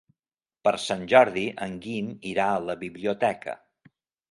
Per Sant Jordi en Guim irà a la biblioteca.